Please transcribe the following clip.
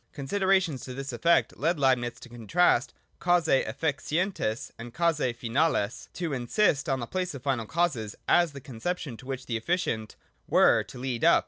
Considerations to this efifect led Leib nitz to contrast causae efficienies and causae finales, and to insist on the place of final causes as the conception to which the efficient were to lead up.